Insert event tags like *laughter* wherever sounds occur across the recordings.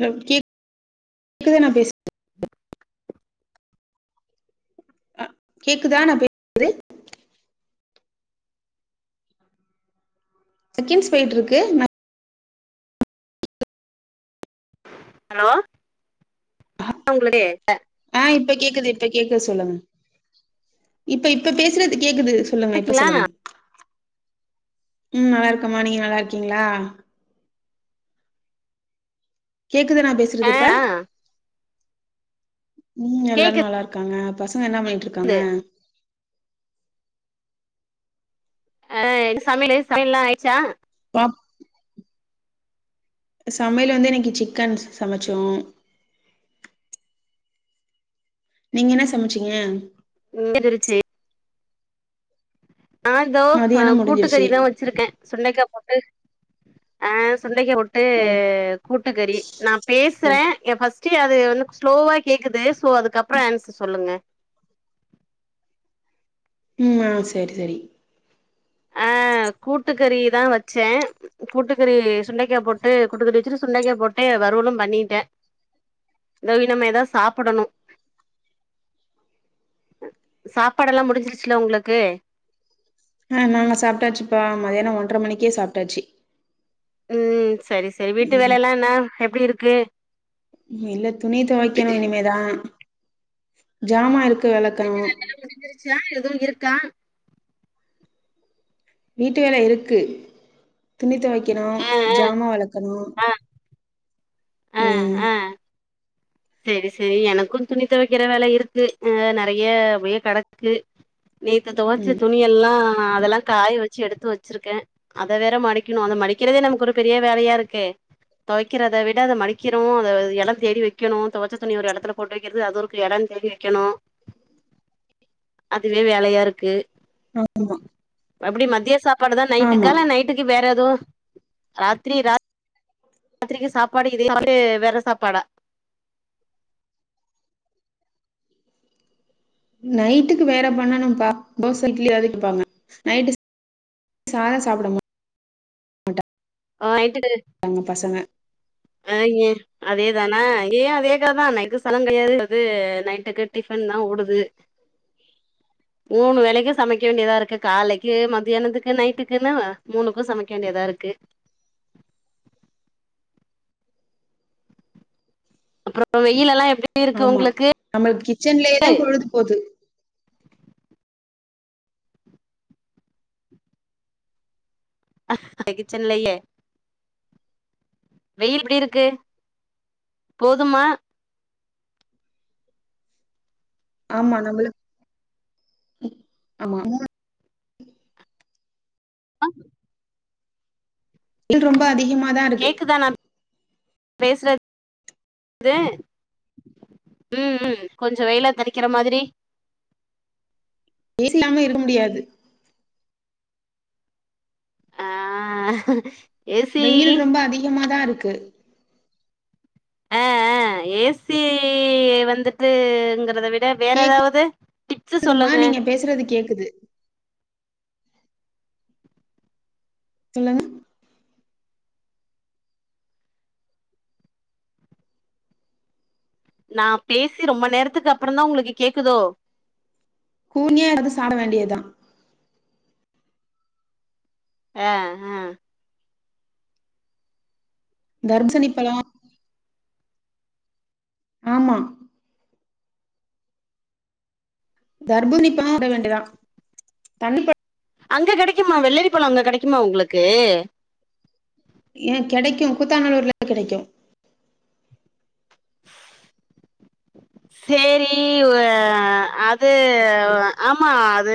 ஹ கே கேக்குதா நா பேச உம் அஹ் கேக்குதா நா பேசறது செகேண்ட்ஸ் போயிட் இருக்கு ஹலோ உங்களுக்கு ஆ இப்ப கேக்குது இப்ப கேக்கு சொல்லுங்க இப்ப இப்ப பேசுறது கேக்குது சொல்லுங்க இப்ப இருக்கீங்களா சொல்லுங்க ம் நல்லாருக்கமா நீங்க நல்லாருக்கீங்ளா கேக்குதா நா ஆ பேசுறது இப்ப ஆ ம் எல்லாரூ கேக்குது நல்லாருக்காங்க என்ன பண்ணிட்ருக்காங்க ஆ சமையலு சமையல்லா ஆயிச்சா *inaudible* சமையல் வந்து இன்னைக்கு சிக்கன் சமைச்சோ நீங்க என்ன சமச்சீங்க இந்தரிச்சி நா இதோ ஆ மதியானம் முடிஞ்சிருச்சு கூட்டுக்கறிதா வச்சிருக்கே சுண்டைக்கா போட்டு ஆ சுண்டைக்கா போட் டு ஓ கூட்டுக்கறி நா சரி பேசுறே சரி ஏ ஃபஸ் டு அது உனுக்கு ஸ்லோவா கேக்குது சோ அதுக்கப்றோ ஆன்சர் சொல்லுங்க ம் ஆ சேரி செரி ஆ கூட்டுக்கறிதா வச்சே கூட்டுக்கறி சுண்டைக்கா போட்டு கூட்டுக்கறி வச்சுட்டு சுண்டைக்கா போட்டு வறுவலூ பண்ணிட்டே இதோ இனிமே தா சாப்புடணூ சாப்பாடுலா முடிஞ்சிருச்சுல உங்களுக்கு ஆ நாங்க சாப்ட்டாச்சுப்பா மதியானோ ஒன்ற மணிக்கே சாப்ட்டாச்சு ம் செரி செரி வீட்டு ம் வேலல்லா என்ன எப்டிருக் கு இல்ல துணி தொவைக்கணூ இனிமேதா ஜாமா இர் வீட்டு வேலல்லா முடிஞ்சிருச்சா எதூ இருக்கா வீட்டு வேல இருக்கு துணி தொவைக்கணூ ஆ ஜாமா வெளக்கணூ ஆ ஆ ஆ ம் ஆ செரி செரி எனக்கூ துணி தொவைக்கிற வேல இருக்கு ஆ நறைய அப்டி கெடக்கு நேத்து தொவைச்ச ம் துணி எல்லா அதெல்லா காய வச்சு எடுத்து வச்சிருக்கே அத வேற மடிக்கணூ அத மடிக்கிறதே நமக்கு ஒரு பெரிய வேலையாருக்கே தொவைக்கிறத விட அத மடிக்கிறோ அத எலோ தேடி வெக் கணூ தொவச்ச துணி ஒரு எடத்துல போட்டு வெக்கிறது அது ஒருக்கு எடோ தேடி வெக்கணூ அதுவே வேலையாருக்கு ஆமா அப்டி மத்திய சாப் பாடு தா நைட்டுக்கா ஆமா இல்ல நைட்டுக்கு வேற எதுவூ ராத்திரி ராத் த்ரிக்கு சாப்பாடு இதே வந்து வேற சாப்பாடா நைட்டுக்கு வேற பண்ணணும்பா தோச இட்லி ஏதாவ்து கேப்பாங்க நைட்டு சாதோ சாப்பிடம ஆ ஆயிட்டு உங்க பசங்க அ ஏ அதேதானா இங்கியும் அதே கதைதா நைட்டுக்கு சாதோ கெடையாது அது நைட்டுக்கு டிபன்தா ஓடுது மூணு வேலைக்கு சமைக்க வேண்டியதா இருக்கு காலைக்கு மதியானத்துக்கு நைட்டுக்குன்னு மூணுக்கு சமைக்க வேண்டியதா இருக்கு அப்பறோ வெயிலெல்லா எப்டி இருக்கு ஆமா உங்களுக்கு நம்மளுக்கு கிச்சன்லயேதா பொழுது போது அ கிச்சன்லயே வெயில் எப்புடி இருக்கு போதுமா ஆமா நம்மளுக் கு ஆமா நம்ம ஆ வெயில் ரொம்ப அதிகமா கேக்குதா நா பேசுறது உம் உம் கொஞ்சோ வெயில தனக்கிற மாரி ஏசி இல்லாம இருக்க முடியாது அ வெயில் ரொம்ப அதிகமாதா இருக்கு க்கு அ அ ஏசி வந்துட்டுங்கிறத விட் வேற எதாவது டிப்ஸ்ஸு கேக்குதுமா சொல்லுங்க நீங்க பேசுறது கேக்குது சொல்லுங் நா பேசி ரொம்ப நேரத்துக்கு அப்புறந்தா உங்களுக்கு கேக்குதோ கூனியா கிடந்து சாக வேண்டியதுதா அ அஹ் தர்பூசணிப்பழோ ஆமா தர்பூசணிப்பழோ *unintelligible* வேண்டியதா தண்ணிப்பழ் அங்க கெடைக்குமா வெள்ளரிப்பழோ அங்க கெடைக்குமா உங்களுக்கு ஏ கெடைக்கும் குத்தா நல்லூர்ல கெடைக்கு சேரி ஒரு அ அது அ ஆமா அது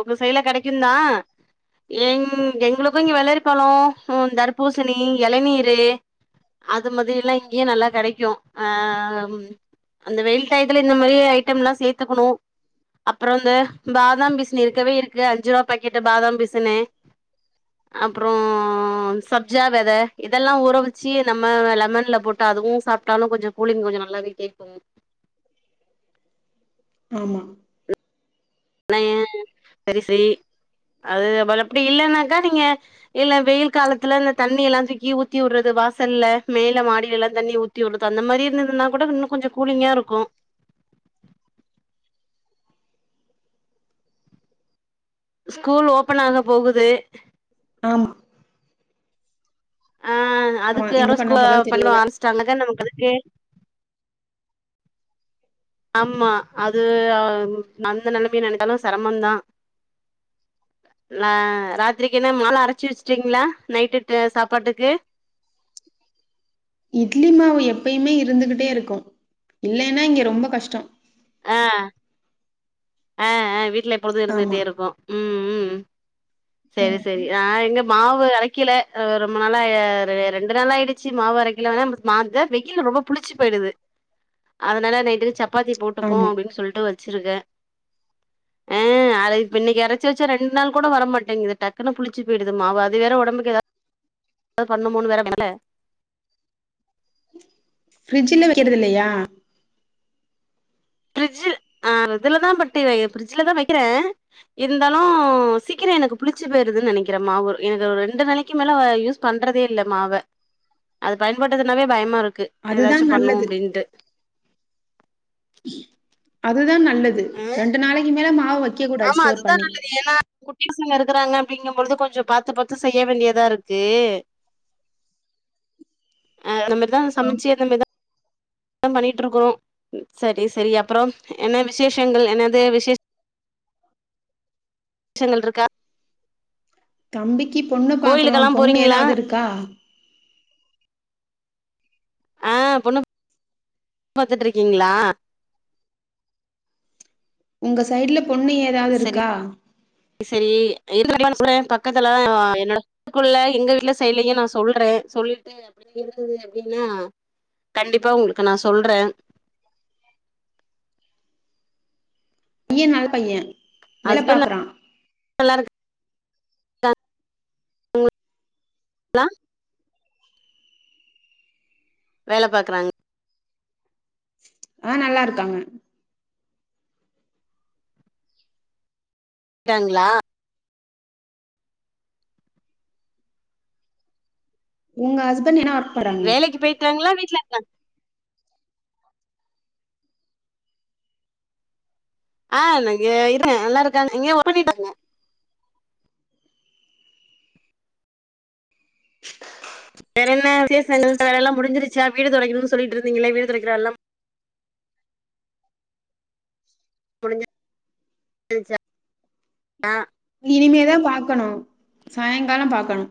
உங்க சைடுல கடைக்குந்தா எங் எங்களுக்கும் இங்க வெள்ளரிப்பழோ உம் தர்பூசணி இளநீரு அது மாதிரி எல்லா இங்கயு நல்லா கெடைக்கு அ அம் அந்த வெயில் டைத்துல இந்த மாதிரி ஐட்டம் எல்லா சேத்துக்கணு அப்பறோ இந்த பாதாம் பி'சனு இருக்கவே இருக்கு அஞ்சு ரூபாய் பாக்கெட்டு பாதாம் பிசுனு அப்பறோ சப்ஜா வித இதெல்லா ஊறவச்சு நம்ம லெமன்ல போட்டு அதுவும் சாப்பிட்டாலு கொஞ்சோ கூலிங் கொஞ்சோ நல்லாவே கேக்கு ஆமா ஆனா ஏ செரி செரி அது அவள் அப்புடி இல்லன்னாக்கா நீங்க இல்ல வெயில் காலத்துல இந்த தண்ணி எல்லா தூக்கி ஊத்தி விட்றது வாசல்ல மேல மாடி எல்லா தண்ணி ஊத்தி விடுறது அந்த மாதிரி இருந்ததுன்னா கூட இன்னு கொஞ்சோ கூலிங்கா இருக்கு ஸ்கூல் ஓபன் ஆகப்போகுது ஆமா அ ஆமா அதுக்கு இந்த யாரோ பண்ண ஸ்கூல்ல *inaudible* பழோ வாங்க தெரியல ஆரம்பிச்சுட்டாங்கன்னாக்கா நமக்கு அதுக்கு ஆம்மா அது அ அந்த நிலமய நெனச்சாலு சிரமமந்தா நா ராத்திரிக்கு என்ன மாவெல்லா அரைச்சு வச்சுட்டீங்களா நைட்டுக்கு சாப்பாட்டுக்கு இட்லி மாவு எப்பயுமே இருந்துகிட்டே இருக்கும் இல்லேன்னா இங்க ரொம்ப கஷ்டோ அ அ அ வீட் வீட்ல எப்போதும் ஆமா இருந்துகிட்டே இருக்கும் உம் உம் உம் செரி ம் செரி அ இங்க மாவு ம்ப அரைக்கல அ ரொம்பநாளா ரெண்டு நாளா ஆயிடுச்சு மாவு அரைக்கல வேணா மாந்தர் வெயிலு ரொம்ப புளிச்சு போயிடுது அதனால நைட்டுக்கு சப்பாத்தி போட் போ ஆமா அப்டின்னு சொல்லிட்டு வச் வச்சிருக்கேன் ஆ இத இப்ப இன்னைக்கு அரைச்சி வச்சா ரெண்டு நாள் கூட வரமாட்டேங்குது டக்குன்னு புளிச்சு போயிடுது மாவு அது வேற ஒடம்புக்கு ஏதாது பண்ணுமோனு வேற பயமாருக்குல வக்கறது இல்லையா பிரிட்ஜில் ஆ இதுலதா பட்டு பிரிட்ஜல தா வைக்கிறே இருந்தாலு சீக்கிர எனக்கு புளிச்சு போயிருதுன்னு நெனைக்கிறே மாவு எனக்கு ஒரு ரெண்டு நாளைக்கு மேல யூஸ் பண்றதே இல்ல மாவ அத பயன்படுத்துனாவே பயமாருக்கு க்கு அதுதா ஏதாச்சு பண்ணு நல்லது அப்டின்ட்டு அது தான் ந நல்லது ஆ ரெண்டு நாளைக்கு மேல மா ஆமா அதுதா நல்லது ஏனா குட் டியூசன் எடுக்குறாங்க அப்டிங்கம்பொழுது கொஞ்சோ பாத்து பாத்து செய்ய வேண்டியதாருக்கு ஆ அத மாரிதா ஆம் சமச்சு அந்த மரிதா பண்ணிட்ருக்கோ சரி சரி அப்றோ என்ன விஷேஷங்கள் என்னது விஷேஷ் ஷங்கள்ருக்கா தம்பி கி பொண்ணு பாக்குறோ பொண்ணு எதாதுருக்கா ஆ பொண்ணு பாத்துட்ருக்கீங்ளா உங்க சைட்ல பொண்ணு ஏதாது இருக்கா செரி *inaudible* பக்கத்துலதா என்னோட குள்ள எங்க வீட்ல சைட்நா சொல்றே சொல்லிட்டு அப்டி இருந்துது அப்டினா கண்டிப்பா ஒங்களுக்கு நா சொல்ற பையன் நல்ல பையன் வேல ஹஸ்பண்ட் பாக்குறா நல்லா *inaudible* லா வேல பாக்குறாங்க ஆ நல்லாருக்காங்க ட்டாங்ளா உங்க ஹஸ்பண்ட் என்ன ஒர் வேலைக்கு பேய்ட்டாங்ளா வீட் *unintelligible* ஆ எனக்கு இருங்க நல்லா இருக்காங்க எங்கயோ *inaudible* பண்ணிட்டாங்க வேறென்ன விசேஷங்கள் வேலல்லா முடிஞ்சுருச்சா வீடு தொடைக்கணுன் சொல்லிட்ருந்தீங்ளே வீடு தொடைக்ற வேலலா முடிஞ்சு *inaudible* ஆ இனிமேதா பாக்கணு சாய்ங்கால பாக்கணு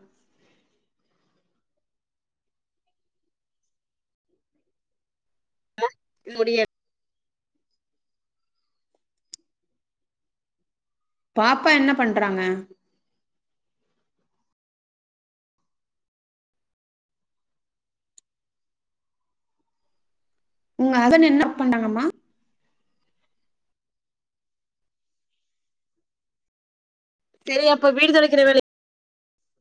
ஆ முடியல பாப்பா என்ன பண்றாங்க உங்க அதன்னு என்ன பண்ணுனுமா செரி அப்ப வீடு தொடைக்கிற வேல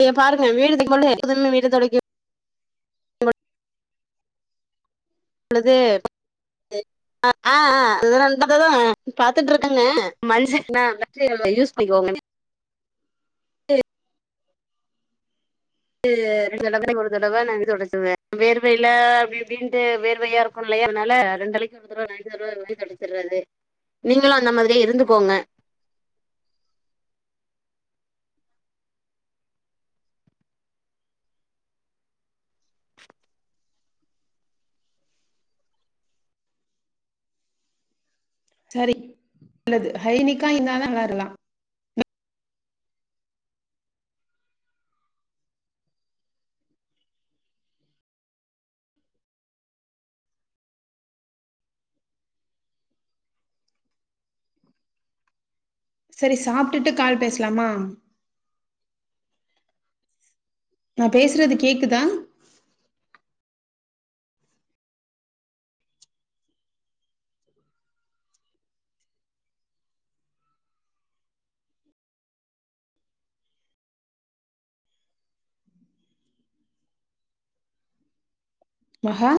யப்பாருங்க வீடு *inaudible* லுது ஆ ஆ ஆ *inaudible* பாத்துட்ருக்கங்க மஞ்ச *inaudible* யூஸ் பண்ணிக்கோங்க *unintelligible* உ ரெண்டுதடவ ஒரு தடவ *unintelligible* வேர்வைல அப்டி இப்டின்ட்டு வேர்வையா இருக்குல்லையா அன்னால ரெண்டு நாளைக்கு ஒரு தடவ *unintelligible* தொடச்சர்றது நீங்களு அந்த மாதிரியே இருந்துக்கோங்க சரி நல்லது ஹைனிகா இந்தாதா *unintelligible* சரி சாப்டுட்டு கால் பேஸ்லாமா நா பேசுறது கேக்குதா ஆஹ